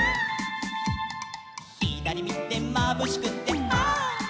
「ひだりみてまぶしくてはっ」